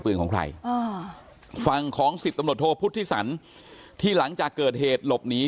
ของใครฝั่งของ๑๐ตำรวจโทพุทธิสันที่หลังจากเกิดเหตุหลบหนี